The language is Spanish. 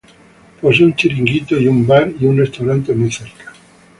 Posee un chiringuito y un bar, y un restaurante muy cerca.